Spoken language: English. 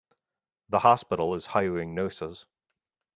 The hospital is hiring nurses.